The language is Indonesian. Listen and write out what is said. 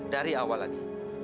dari awal lagi